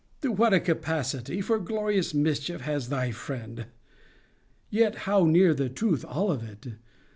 and proceeds exulting: What a capacity for glorious mischief has thy friend! Yet how near the truth all of it!